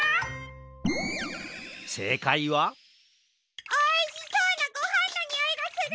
せいかいはおいしそうなごはんのにおいがする！